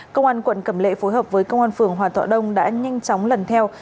công an quận cẩm lệ phối hợp với công an phường hòa thọ đông đã nhanh chóng lần theo